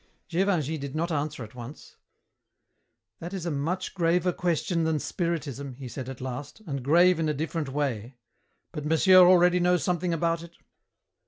Gévingey did not answer at once. "That is a much graver question than Spiritism," he said at last, "and grave in a different way. But monsieur already knows something about it?"